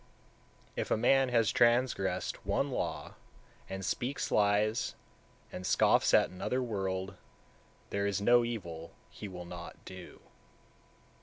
176. If a man has transgressed one law, and speaks lies, and scoffs at another world, there is no evil he will not do.